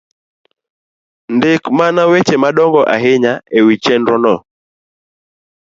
Ndik mana weche madongo ahinya e wi chenro no